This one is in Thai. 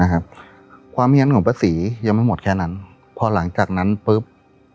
ความเฮียนของป้าศรียังไม่หมดแค่นั้นพอหลังจากนั้นปุ๊บ